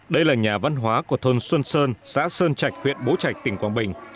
đây là nhà văn hóa của thôn xuân sơn xã sơn trạch huyện bố trạch tỉnh quảng bình